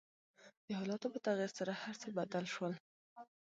د حالاتو په تغير سره هر څه بدل شول .